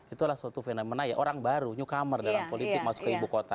itulah suatu fenomena ya orang baru newcomer dalam politik masuk ke ibu kota